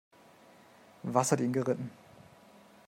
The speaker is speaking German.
Was hat ihn geritten?